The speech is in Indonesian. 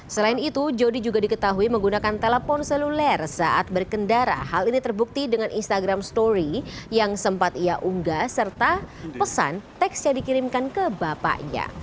selain itu jody juga diketahui menggunakan telepon seluler saat berkendara hal ini terbukti dengan instagram story yang sempat ia unggah serta pesan teks yang dikirimkan ke bapaknya